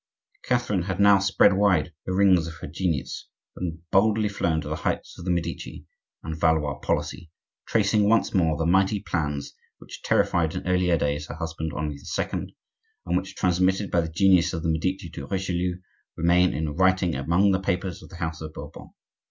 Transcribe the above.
Catherine had now spread wide the wings of her genius, and boldly flown to the heights of the Medici and Valois policy, tracing once more the mighty plans which terrified in earlier days her husband Henri II., and which, transmitted by the genius of the Medici to Richelieu, remain in writing among the papers of the house of Bourbon.